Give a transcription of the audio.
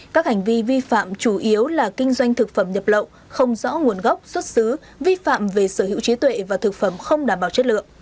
các hành vi vi phạm chủ yếu là kinh doanh thực phẩm nhập lậu không rõ nguồn gốc xuất xứ vi phạm về sở hữu trí tuệ và thực phẩm không đảm bảo chất lượng